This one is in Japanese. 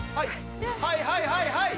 はいはいはいはい！